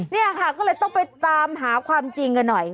เนี่ยค่ะก็เลยต้องไปตามหาความจริงกันหน่อย